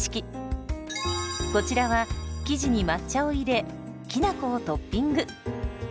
こちらは生地に抹茶を入れきなこをトッピング。